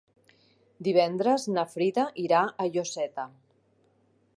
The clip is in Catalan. Divendres na Frida irà a Lloseta.